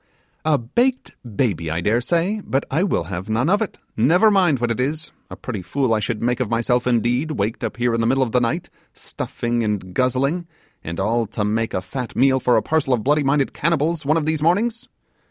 'A baked baby, I dare say I but I will have none of it, never mind what it is. A pretty fool I should make of myself, indeed, waked up here in the middle of the night, stuffing and guzzling, and all to make a fat meal for a parcel of booby minded cannibals one of these mornings!